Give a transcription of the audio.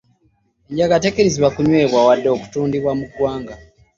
Enjaga tekirizibwa kunywebwa wadde okutundwa mu ggwanga.